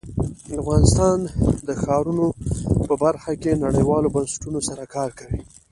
افغانستان د ښارونه په برخه کې نړیوالو بنسټونو سره کار کوي.